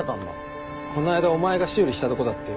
こないだお前が修理したとこだってよ。